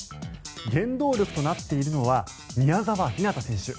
原動力となっているのは宮澤ひなた選手。